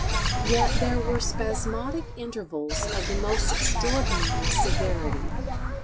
Yet there were spasmodic intervals of the most extraordinary severity.